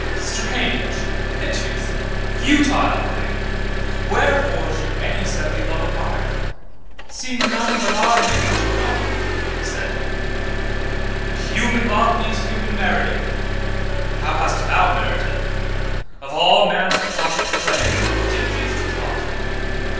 Strange, piteous, futile thing! Wherefore should any set thee love apart? Seeing none but I makes much of naught' (He said),'And human love needs human meriting:How hast thou merited—Of all man's clotted clay the dingiest clot?